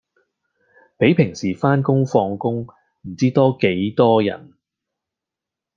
比平時番工放工唔知多幾多人